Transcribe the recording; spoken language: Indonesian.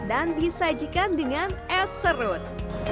dan disajikan dengan es serut